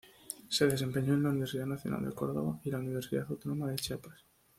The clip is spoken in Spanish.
Se desempeñó en la Universidad Nacional de Córdoba y la Universidad Autónoma de Chiapas.